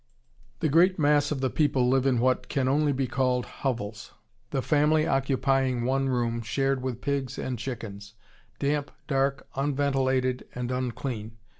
The great mass of the people live in what can only be called hovels, the family occupying one room, shared with pigs and chickens; damp, dark, unventilated, and unclean.